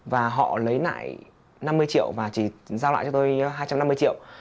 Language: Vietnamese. và họ lấy lại năm mươi triệu và chỉ giao lại cho tôi hai trăm năm mươi triệu